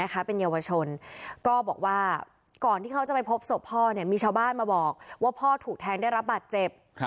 ก็บอกว่าก่อนที่เขาจะไปพบศพพ่อเนี่ยมีชาวบ้านมาบอกว่าพ่อถูกแทงได้รับบาดเจ็บ